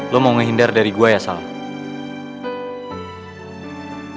lo mau ngehindar dari gue ya salma